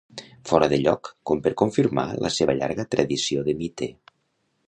Fora de lloc, com per confirmar la seva llarga tradició de mite.